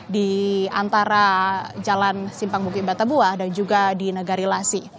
di antara jalan simpang bukit batabuah dan juga di negarilasi